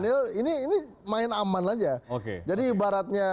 jadi ibaratnya lagi pertandingan semacam itu ya